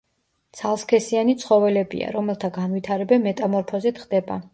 ცალსქესიანი ცხოველებია, რომელთა განვითარება მეტამორფოზით ხდება.